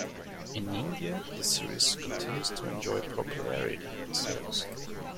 In India, the Series continues to enjoy popularity and sales.